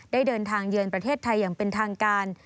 ได้เดินทางเยือนประเทศไทยอย่างเป็นทางการ